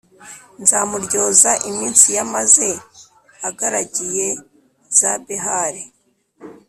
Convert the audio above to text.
Nzamuryoza iminsi yamaze agaragiye za Behali,